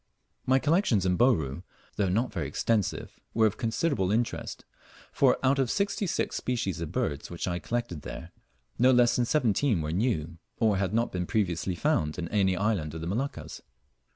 My collections in Bouru, though not extensive, were of considerable interest; for out of sixty six species of birds which I collected there, no less than seventeen were new, or had not been previously found in any island of the Moluccas.